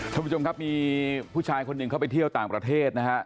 ท่านผู้ชมครับมีผู้ชายคนหนึ่งเข้าไปเที่ยวต่างประเทศนะฮะ